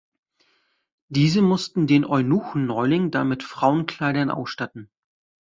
Diese mussten den Eunuchen-Neuling dann mit Frauenkleidern ausstatten.